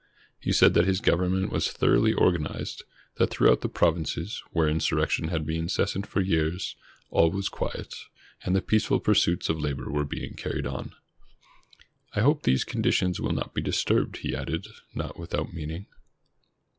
He said that his Government was thoroughly organized ; that throughout the provinces, where insur rection had been incessant for years, all was quiet, and the peaceful pursuits of labor were being carried on. "I hope these conditions will not be disturbed," he added, not without meaning.